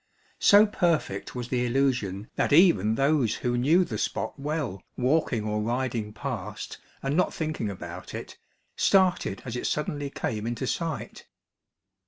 So perfect was the illusion that even those who knew the spot well, walking or riding past and not thinking about it, started as it suddenly came into sight.